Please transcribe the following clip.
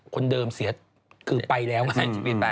คนเดิมเสียคือไปแล้วไง